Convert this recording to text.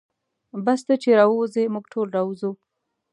بس ته چې راووځې موږ ټول راوځو.